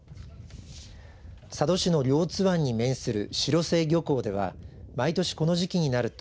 佐渡市の両津湾に面する白瀬漁港では毎年この時期になると